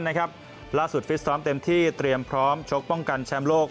ล่าสุดฟิศซ้อมเต็มที่เตรียมพร้อมชกป้องกันแชมป์โลก